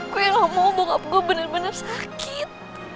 gue yang ngomong bokap gue bener bener sakit